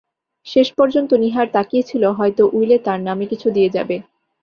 শেষ পর্যন্ত নীহার তাকিয়ে ছিল হয়তো উইলে তার নামে কিছু দিয়ে যাবে।